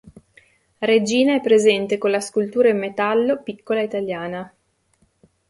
Regina è presente con la scultura in metallo "Piccola italiana".